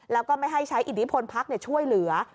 แล้วก็ไม่ให้ใช้อิทธิพลพักช่วยเหลือ